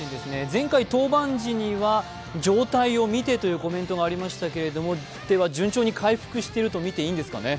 前回登板時には状態を見てというコメントがありましたけどでは順調に回復してるとみていいんですかね。